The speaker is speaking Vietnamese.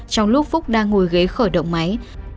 trong lúc phúc đang ngồi ghế khởi động máy